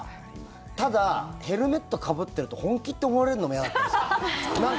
ただ、ヘルメットかぶってると本気って思われるのも嫌だったんです。